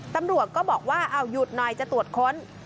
ตำรวจก็บอกว่าเอาหยุดหน่อยจะตรวจค้น